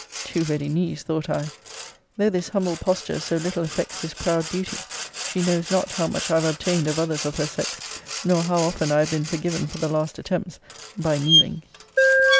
Too ready knees, thought I! Though this humble posture so little affects this proud beauty, she knows not how much I have obtained of others of her sex, nor how often I have been forgiven for the last attempts, by kneeling.